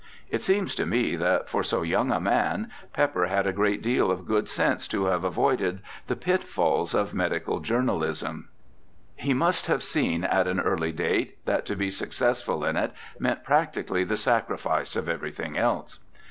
It seems to me that for so young a man. Pepper had a great deal of good sense to have avoided the pitfalls WILLIAM PEPPER 217 of medical journalism. He must have seen at an early date that to be successful in it meant practically the sacrifice of everything else.